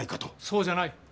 そうじゃない。